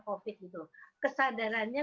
covid gitu kesadarannya